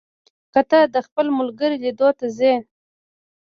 که ته د خپل ملګري لیدو ته ځې،